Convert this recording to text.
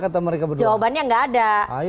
jawabannya nggak ada